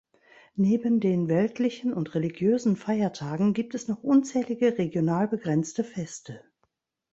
Neben den weltlichen und religiösen Feiertagen gibt es noch unzählige regional begrenzte Feste.